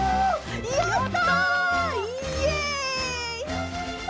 やった！